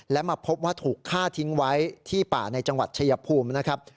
และมาพบว่าถูกฆ่าทิ้งไว้ที่ป่าในจังหวัดชายภูมินะครับ